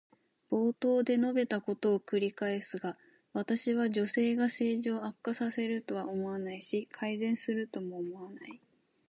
冒頭で述べたことを繰り返すが、私は女性が政治を悪化させるとは思わないし、改善するとも思わない。